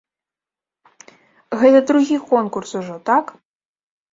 Гэта другі конкурс ужо, так?